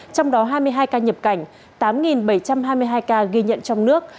trong đó hai mươi hai ca nhập cảnh tám bảy trăm hai mươi hai ca ghi nhận trong nước